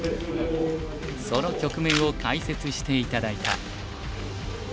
その局面を解説して頂いた。